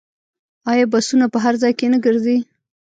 آیا بسونه په هر ځای کې نه ګرځي؟